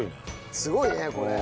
すごいねこれ。